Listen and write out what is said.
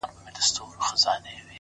پوهه له لټون سره پراخیږي,